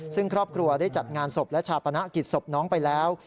ซึ่งครอบครัวได้จัดงานศพและชาปนกิจศพน้องไปแล้ว